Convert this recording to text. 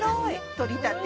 採りたて。